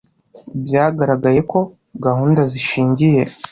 Byagaragaye ko gahunda zishingiye